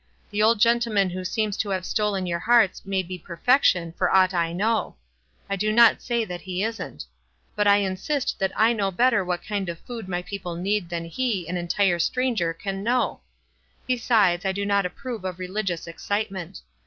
The old gentleman who seems to have stolen your hearts may be perfection, for aught I know. I do not say that he isn't ; but I insist that I know better what kind of food my people need than he, an entire stranger, can know. Besides, I do not approve of religious excitement.